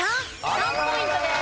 ３ポイントです。